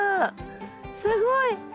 すごい！